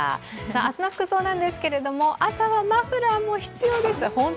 明日の服装なんですが、朝はマフラーも必要です。